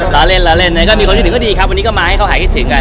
ล้อเล่นมีคนคิดถึงก็ดีครับวันนี้ก็มาให้เขาหายคิดถึงก่อน